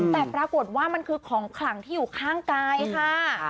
แต่ปรากฏว่ามันคือของขลังที่อยู่ข้างกายค่ะ